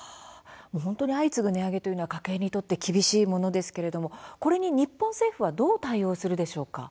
本当に相次ぐ値上げというのは家計にとって厳しいものですけれどもこれに日本政府はどう対応するでしょうか？